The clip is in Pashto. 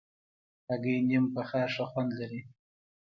هګۍ نیم پخه ښه خوند لري.